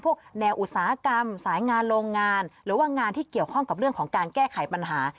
พวกแนวอุตสาหกรรมสายงานโรงงานหรือว่างานที่เกี่ยวข้องกับเรื่องของการแก้ไขปัญหา